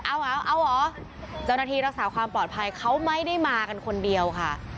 เอาเหรอเอาเหรอเจ้าหน้าที่รักษาความปลอดภัยเขาไม่ได้มากันคนเดียวค่ะ